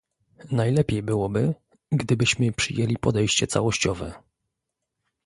Najlepiej byłoby, gdybyśmy przyjęli podejście całościowe